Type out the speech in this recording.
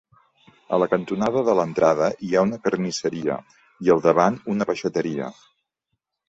A la cantonada de l'entrada hi ha una carnisseria i al davant una peixateria.